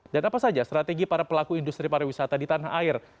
dan apa saja strategi para pelaku industri pariwisata di tanah air